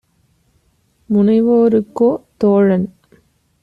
முனைவோருக்கோ தோழன்!